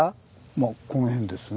まあこの辺ですね。